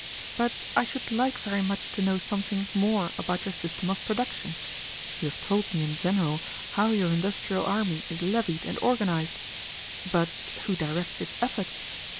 But I should like very much to know something more about your system of production. You have told me in general how your industrial army is levied and organized, but who directs its efforts?